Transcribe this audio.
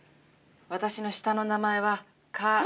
私の下の名前はか。